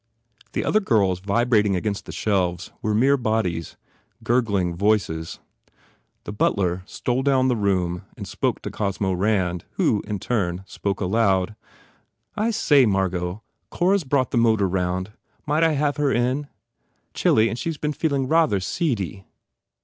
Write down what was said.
The other girls vibrating against the shelves were mere bodies, gurgling voices. The butler stole down the room and spoke to Cosmo Rand who, in turn, spoke aloud. "I say, Margot, Cora s brought the motor around. Might I have her in? Chilly and she s been feeling rather seedy."